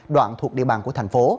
đoạn thuộc địa bàn của thành phố